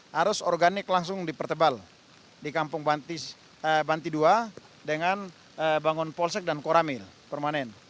harus organik langsung dipertebal di kampung banti dua dengan bangun polsek dan koramil permanen